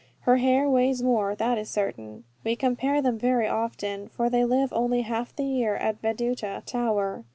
Her hair weighs more, that is certain. We compare them very often; for they live only half the year at Veduta Tower.